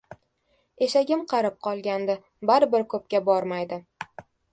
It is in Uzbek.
“Eshagim qarib qolgandi, baribir koʻpga bormaydi.